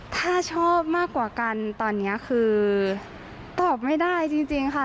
ถ้าชอบมากกว่ากันตอนนี้คือตอบไม่ได้จริงค่ะ